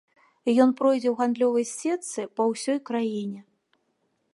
Ён пройдзе ў гандлёвай сетцы па ўсёй краіне.